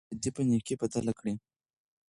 بدي په نېکۍ بدله کړئ.